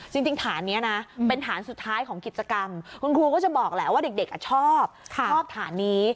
จริงฐานนี้นะเป็นฐานสุดท้ายของกิจกรรมคุณครูก็จะบอกแหละว่าเด็กชอบชอบฐานนี้